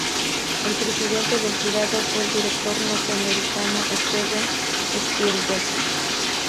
El presidente del jurado fue el director norteamericano Steven Spielberg.